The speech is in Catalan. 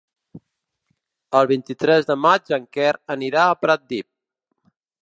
El vint-i-tres de maig en Quer anirà a Pratdip.